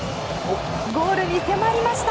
ゴールに迫りました。